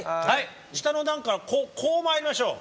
下の段からこう参りましょう。